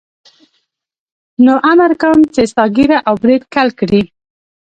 نو امر کوم چې ستا ږیره او برېت کل کړي.